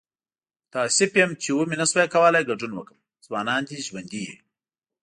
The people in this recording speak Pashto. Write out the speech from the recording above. متاسف یم چې و مې نشو کولی ګډون وکړم. ځوانان دې ژوندي وي!